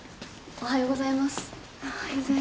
おはようございます。